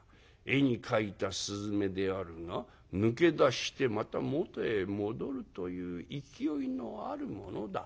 絵に描いた雀であるが抜け出してまた元へ戻るという勢いのあるものだ。